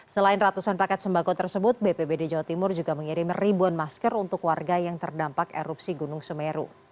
selain ratusan paket sembako tersebut bpbd jawa timur juga mengirim ribuan masker untuk warga yang terdampak erupsi gunung semeru